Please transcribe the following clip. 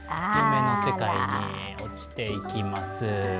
夢の世界に落ちていきます。